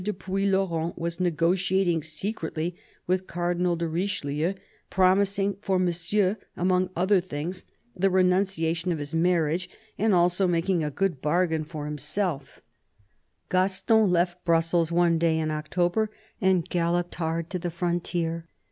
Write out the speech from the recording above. de Puylaurens was negotiating secretly with Cardinal de Richelieu, promising for Monsieur, among other things, the renunciation of his marriage, and also making a good bargain for himself 252 CARDINAL DE RICHELIEU Gaston left Brussels one day in October, and galloped hard to the frontier.